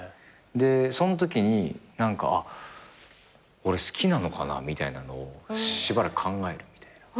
そんときに何か俺好きなのかなみたいなのをしばらく考えるみたいな。